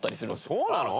そうなの？